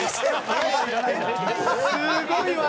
すごい技！